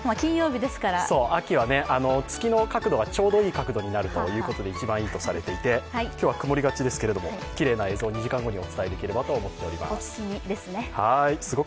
秋は月の角度がちょうどいい角度になるということで一番いいとされていて、今日は曇りがちですけれども、きれいな映像を２時間後にお伝えできればと思っています。